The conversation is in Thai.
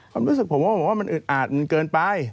ความรู้สึกผมก็บอกว่ามันอึดอาดมันเกินไป